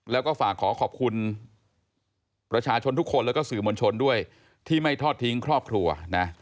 แล้วก็ฝากขอขอบคุณประชาชนทุกคนแล้วก็สื่อมวลชนด้วยที่ไม่ทอดทิ้งครอบครัวนะ